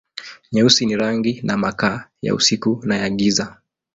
Nyeusi ni rangi na makaa, ya usiku na ya giza.